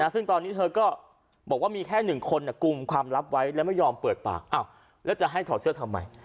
ซึ่งตอนนี้เธอก็บอกว่ามีแค่๑คนกลุ่มความลับไว้แล้วไม่ยอมเปิดปากแล้วจะให้ถอดเสื้อทำไม